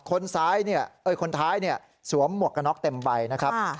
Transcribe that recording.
คนซ้ายเนี่ยเอ้ยคนท้ายเนี่ยสวมหมวกกันน็อกเต็มใบนะครับค่ะ